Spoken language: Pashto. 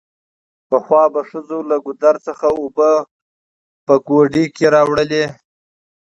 پخوا به ښځو له ګودر څخه اوبه په ګوډي کې راوړلې